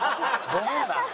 ごめんな。